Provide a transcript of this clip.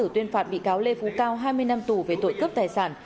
tuyên phạt bị cáo lê phú cao hai mươi năm tù về tội cướp tài sản